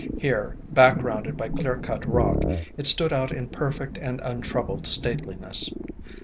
Here, back grounded by clear cut rock, it stood out in perfect and untroubled stateliness.